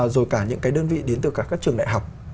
rồi cả những cái đơn vị đến từ cả các trường đại học